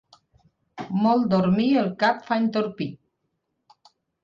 Molt dormir el cap fa entorpir.